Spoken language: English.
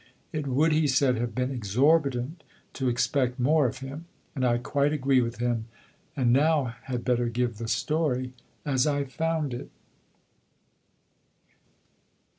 It would, he said, have been exorbitant to expect more of him. And I quite agree with him; and now had better give the story as I found it.